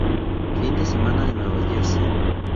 Fin de semana en Nueva Jersey.